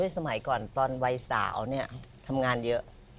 สมัยก่อนตอนวัยสาวเนี่ยทำงานเยอะ